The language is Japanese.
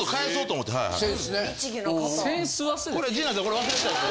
これ陣内さん忘れたでしょ。